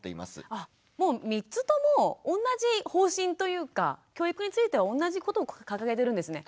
もう３つとも同じ方針というか教育については同じことを掲げてるんですね。